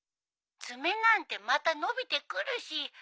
☎爪なんてまた伸びてくるし。